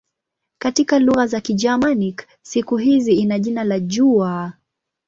Katika lugha za Kigermanik siku hii ina jina la "jua".